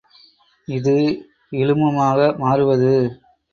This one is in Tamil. இது இழுமமாக மாறுவது.